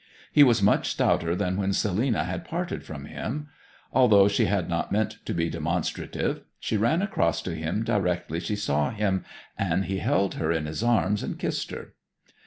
He was much stouter than when Selina had parted from him. Although she had not meant to be demonstrative she ran across to him directly she saw him, and he held her in his arms and kissed her.